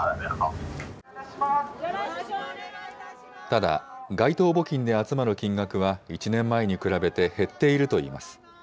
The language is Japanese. ただ、街頭募金で集まる金額は、１年前に比べて減っているといいます。